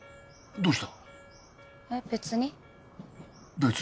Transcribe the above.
どうした？